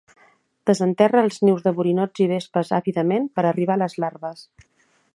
Desenterra els nius de borinots i vespes àvidament per arribar a les larves.